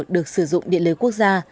được sử dụng điện lưới quốc gia